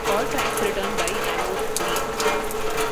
All tracks written by Amos Lee.